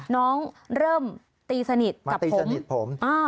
น้องเริ่มตีสนิทกับผม